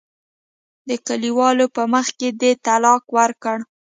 د کلیوالو په مخ کې دې طلاق ورکړه.